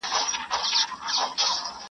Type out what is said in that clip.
او زما شکر له خپل زړه سره پیوند دی -